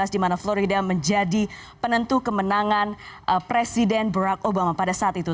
di mana florida menjadi penentu kemenangan presiden barack obama pada saat itu